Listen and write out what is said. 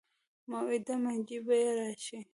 موعود منجي به یې راشي.